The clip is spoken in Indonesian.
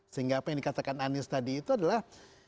sehingga apa yang dikatakan anies tadi itu adalah